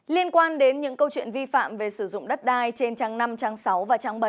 liên quan đến những câu chuyện vi phạm về sử dụng đất đai trên trang năm trang sáu và trang bảy